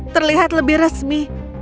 terlihat lebih resmi